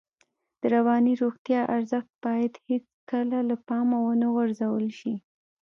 د رواني روغتیا ارزښت باید هېڅکله له پامه ونه غورځول شي.